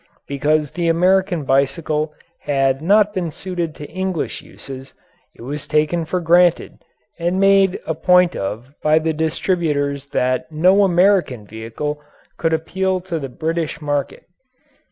Because the American bicycle had not been suited to English uses it was taken for granted and made a point of by the distributors that no American vehicle could appeal to the British market.